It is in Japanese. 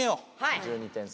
１２点差。